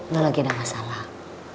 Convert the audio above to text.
lo lagi ada masalah